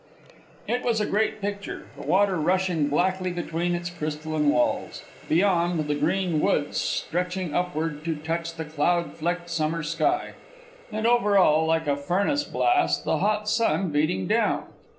It was a great picture: the river rushing blackly between its crystalline walls; beyond, the green woods stretching upward to touch the cloud flecked summer sky; and over all, like a furnace blast, the hot sun beating down.